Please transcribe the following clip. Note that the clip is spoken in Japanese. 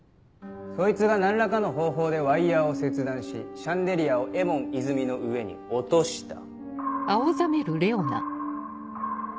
そいつが何らかの方法でワイヤを切断しシャンデリアを絵門いずみの上に落とした。